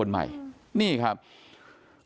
พอมั้ยยุติกันมั้ย